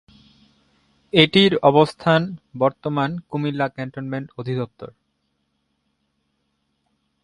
এটির অবস্থান বর্তমান কুমিল্লা ক্যান্টনমেন্ট অধিদপ্তর।